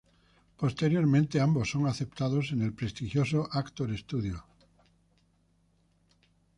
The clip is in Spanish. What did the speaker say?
Posteriormente, ambos son aceptados en el prestigioso Actors Studio.